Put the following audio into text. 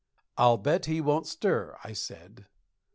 "I'll bet he won't stir," I said.